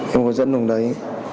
em có dẫn đồng đấy